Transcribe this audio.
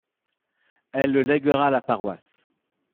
Elle le lèguera à la paroisse.